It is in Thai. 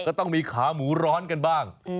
ก็ต้องมีขาหมูร้อนกันบ้าง